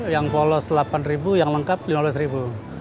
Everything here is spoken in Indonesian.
yang polos delapan ribu yang lengkap lima belas ribu